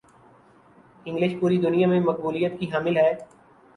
English پوری دنیا میں مقبولیت کی حامل ہے